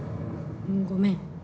ごめん。